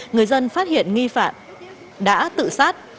người dân phát hiện nghi phạm đã tự sát